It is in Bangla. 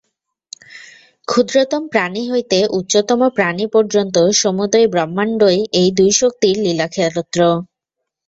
ক্ষুদ্রতম প্রাণী হইতে উচ্চতম প্রাণী পর্যন্ত সমুদয় ব্রহ্মাণ্ডই এই দুই শক্তির লীলাক্ষেত্র।